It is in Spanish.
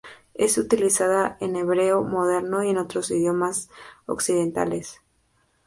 Es utilizada en hebreo moderno, y en otros idiomas occidentales.